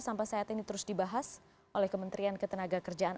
sampah sehat ini terus dibahas oleh kementerian ketenagakerjaan